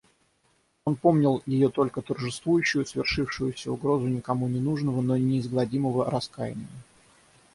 Он помнил ее только торжествующую, свершившуюся угрозу никому ненужного, но неизгладимого раскаяния.